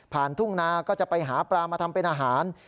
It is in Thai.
ทุ่งนาก็จะไปหาปลามาทำเป็นอาหาร